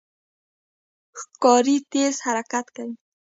ښکاري تېز حرکت کوي.